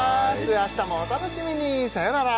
明日もお楽しみにさよなら